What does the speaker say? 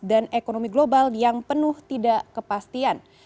dan ekonomi global yang penuh tidak kepastian